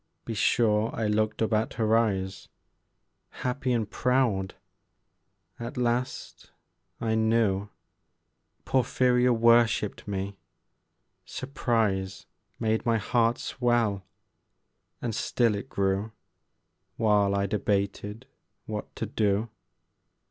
Be sure I looked up at her eyes Happy and proud; at last I knew Porphyria worshipped me; surprise Made my heart swell, and still it grew While I debated what to do.